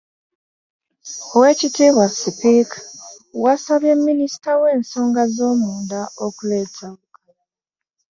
“Oweekitiibwa Sipiika, wasabye Minisita w'ensonga ez'omunda okuleeta olukalala"